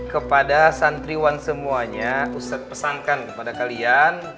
kepada santriwan semuanya ustadz pesankan kepada kalian